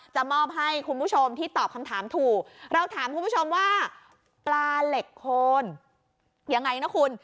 จะมอบให้คุณผู้ชมที่ตอบคำถามถูกเราถามคุณผู้ชมว่าปลาเหล็กโคนยังไงนะคุณ